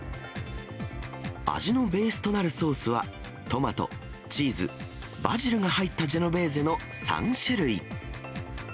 味のベースとなるソースは、トマト、チーズ、バジルが入ったジェノベーゼの３種類。